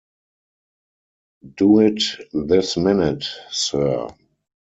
Do it this minute, sir!